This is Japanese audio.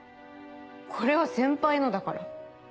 これは先輩のだから。